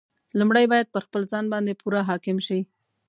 لومړی باید پر خپل ځان باندې پوره حاکم شي.